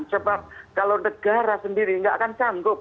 sebab kalau negara sendiri nggak akan canggup